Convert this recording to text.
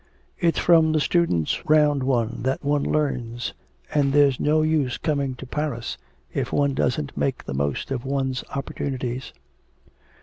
It's from the students round one that one learns, and there's no use coming to Paris if one doesn't make the most of one's opportunities.'